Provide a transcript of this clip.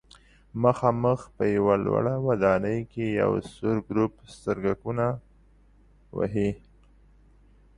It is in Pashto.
مخامخ په یوه لوړه ودانۍ کې یو سور ګروپ سترګکونه وهي.